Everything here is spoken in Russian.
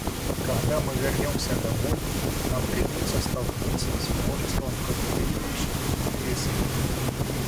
Когда мы вернемся домой, нам придется столкнуться с множеством конкурирующих интересов.